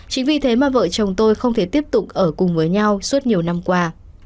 chính vì thế mà vợ chồng tôi không thể tiếp tục ở cùng với nhau suốt nhiều năm qua